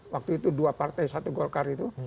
waktu itu dua partai satu golkar itu